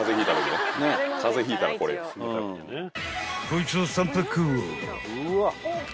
［こいつを３パック］